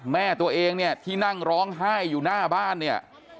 แม่ตัวเองเนี่ยที่นั่งร้องไห้อยู่หน้าบ้านเนี่ย